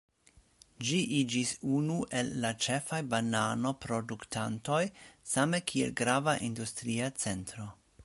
Ĝi iĝis unu el la ĉefaj banano-produktantoj same kiel grava industria centro.